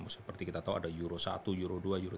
seperti kita tahu ada euro satu euro dua euro